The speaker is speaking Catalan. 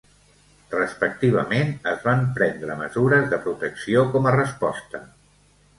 Respectivament es van prendre mesures de protecció com a resposta.